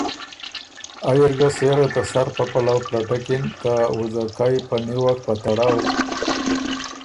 ائ اِر ګۀ سېره ته سر پۀ پلؤ پلټکِن، ته وُځکئ په نیوک په تړؤ